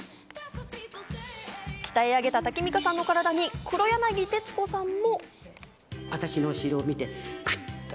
鍛え上げたタキミカさんの体に黒柳徹子さんも。